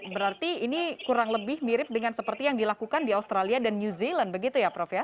berarti ini kurang lebih mirip dengan seperti yang dilakukan di australia dan new zealand begitu ya prof ya